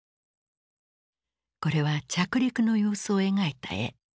これは着陸の様子を描いた絵。